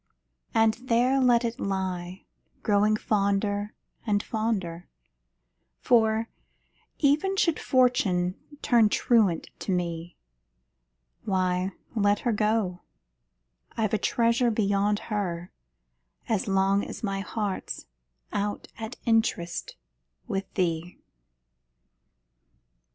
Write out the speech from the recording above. And there let it lie, growing fonder and, fonder For, even should Fortune turn truant to me, Why, let her go I've a treasure beyond her, As long as my heart's out at interest With thee!